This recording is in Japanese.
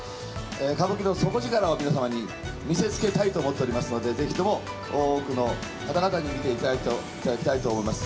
歌舞伎の底力を皆様に見せつけたいと思っておりますので、ぜひとも多くの方々に見ていただきたいと思います。